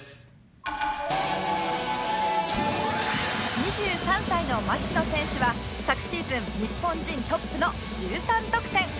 ２３歳の町野選手は昨シーズン日本人トップの１３得点